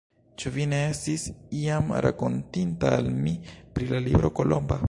Ĉu vi ne estis iam rakontinta al mi pri la libro Kolomba?